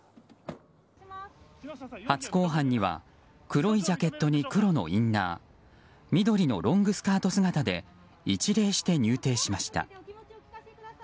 初公判には黒いジャケットに黒のインナー緑のロングスカート姿で一礼して入廷しました。